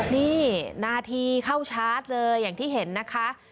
นี่นาทีเข้าชาร์จเลยอย่างที่เห็นนะคะ